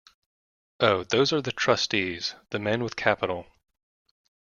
Oh, those are the trustees — the men with capital.